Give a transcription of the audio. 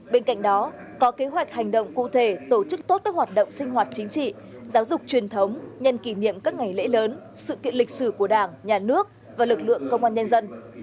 bên cạnh đó có kế hoạch hành động cụ thể tổ chức tốt các hoạt động sinh hoạt chính trị giáo dục truyền thống nhân kỷ niệm các ngày lễ lớn sự kiện lịch sử của đảng nhà nước và lực lượng công an nhân dân